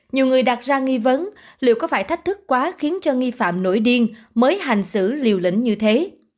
nhiều người đặt ra nghi vấn liệu có phải thách thức quá khiến cho nghi phạm nổi điên mới hành xử liều lĩnh như thế